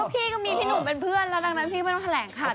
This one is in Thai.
พี่ก็มีพี่หนุ่มเป็นเพื่อนแล้วดังนั้นพี่ไม่ต้องแถลงข่าว